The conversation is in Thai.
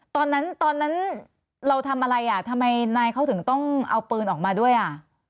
ตอนนั้นตอนนั้นเราทำอะไรอ่ะทำไมนายเขาถึงต้องเอาปืนออกมาด้วยอ่ะ